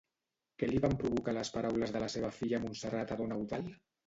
Què li van provocar les paraules de la seva filla Montserrat a don Eudald?